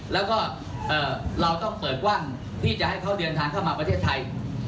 แล้วก็เราต้องเปิดกว้างที่จะให้เขาเดินทางเข้ามาประเทศไทย